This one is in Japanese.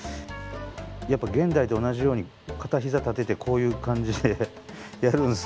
やっぱ現代と同じように片膝立ててこういう感じでやるんですね。